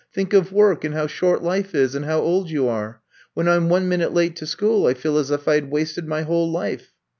Think of work and how short life is and how old you are. When I 'm one minute late to school I feel as if I had wasted my whole life."